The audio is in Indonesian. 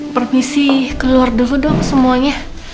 permisi keluar dulu dong semuanya